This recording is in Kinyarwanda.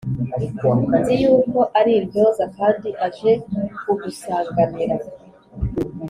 Nzi yuko ari intyoza kandi aje kugusanganira